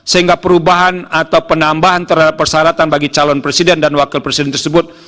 sehingga perubahan atau penambahan terhadap persyaratan bagi calon presiden dan wakil presiden tersebut